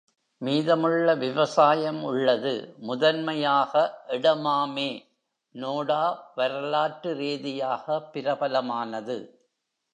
மீதமுள்ள விவசாயம் உள்ளது, முதன்மையாக “எடமாமே", நோடா வரலாற்று ரீதியாக பிரபலமானது.